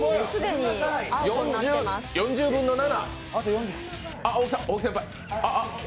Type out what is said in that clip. ４０分の７。